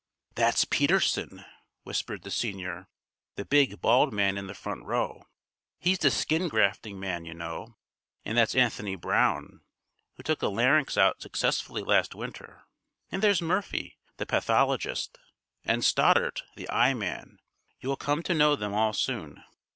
"That's Peterson," whispered the senior, "the big, bald man in the front row. He's the skin grafting man, you know. And that's Anthony Browne, who took a larynx out successfully last winter. And there's Murphy, the pathologist, and Stoddart, the eye man. You'll come to know them all soon."